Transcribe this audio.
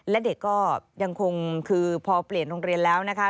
และเด็กก็ยังคงคือพอเปลี่ยนโรงเรียนแล้วนะคะ